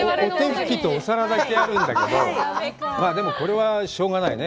お皿だけあるんだけど、これはしょうがないね。